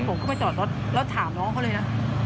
ผมก็ไปจอดรถแล้วถามน้องเขาเลยนะ